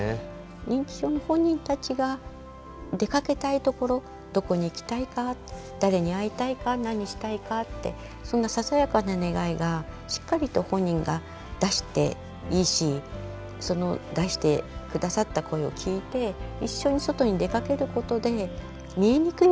認知症の本人たちが出かけたいところどこに行きたいか誰に会いたいか何したいかってそんなささやかな願いがしっかりと本人が出していいしその出して下さった声を聞いてそうですね